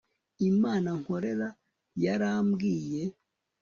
imana nkorera yarambwiye